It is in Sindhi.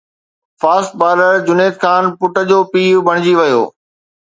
فاسٽ بالر جنيد خان پٽ جو پيءُ بڻجي ويو